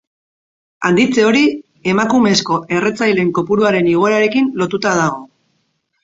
Handitze hori emakumezko erretzaileen kopuruaren igoerarekin lotuta dago.